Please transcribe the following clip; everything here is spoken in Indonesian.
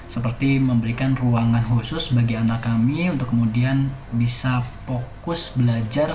seperti memberikan ruangan khusus bagi anak kami untuk kemudian bisa fokus belajar